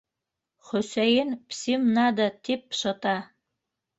- Хөсәйен псим нада! - тип шыта.